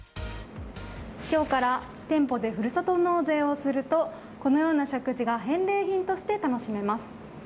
今日から店舗でふるさと納税をするとこのような食事が返礼品として楽しめます。